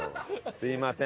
すみません。